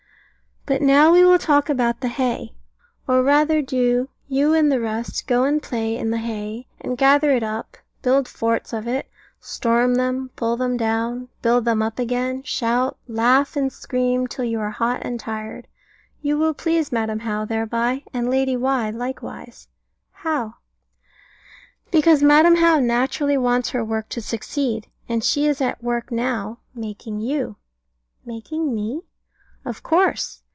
But now we will talk about the hay: or rather do you and the rest go and play in the hay and gather it up, build forts of it, storm them, pull them down, build them up again, shout, laugh, and scream till you are hot and tired. You will please Madam How thereby, and Lady Why likewise. How? Because Madam How naturally wants her work to succeed, and she is at work now making you. Making me? Of course.